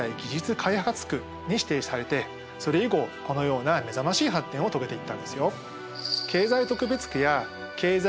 開発区に指定されてそれ以後このような目覚ましい発展を遂げていったんですよ。